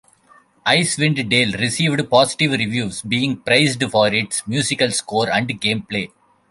"Icewind Dale" received positive reviews, being praised for its musical score and gameplay.